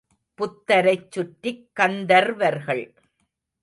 புத்தரைச் சுற்றிக் கந்தர்வர்கள்.